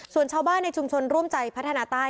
ส่วนชาวบ้านในชุมชนร่วมใจพัฒนาใต้